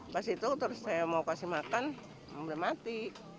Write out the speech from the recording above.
pas itu terus saya mau kasih makan udah mati